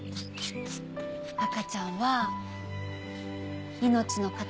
赤ちゃんは命の塊。